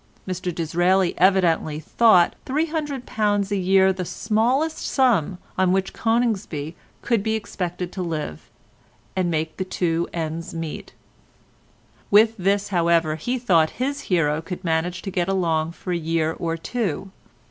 Mr Disraeli evidently thought £300 a year the smallest sum on which Coningsby could be expected to live, and make the two ends meet; with this, however, he thought his hero could manage to get along for a year or two.